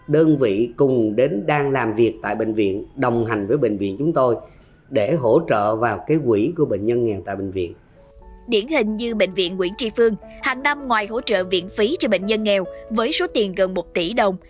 điển hình như bệnh viện nguyễn tri phương hàng năm ngoài hỗ trợ viện phí cho bệnh nhân nghèo với số tiền gần một tỷ đồng